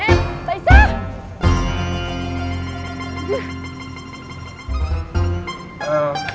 eh mbak isah